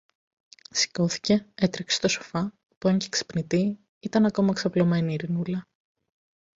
Σηκώθηκε, έτρεξε στο σοφά όπου, αν και ξυπνητή, ήταν ακόμα ξαπλωμένη η Ειρηνούλα.